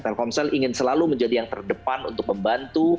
telkomsel ingin selalu menjadi yang terdepan untuk membantu